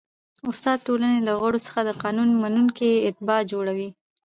استاد د ټولني له غړو څخه د قانون منونکي اتباع جوړوي.